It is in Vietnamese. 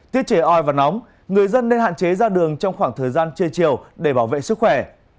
tiết trời oi và nóng người dân nên hạn chế ra đường trong khoảng thời gian trưa chiều để bảo vệ sức khỏe